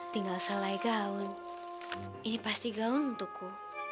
tinggal selai gaun ini pasti gaun untukku